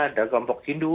ada kelompok hindu